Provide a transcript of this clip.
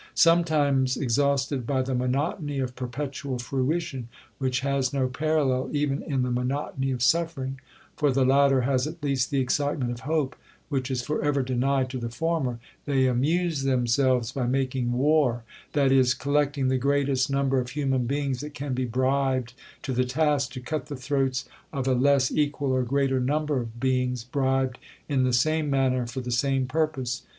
Sometimes exhausted by the monotony of perpetual fruition, which has no parallel even in the monotony of suffering, (for the latter has at least the excitement of hope, which is for ever denied to the former), they amuse themselves by making war, that is, collecting the greatest number of human beings that can be bribed to the task, to cut the throats of a less, equal, or greater number of beings, bribed in the same manner for the same purpose.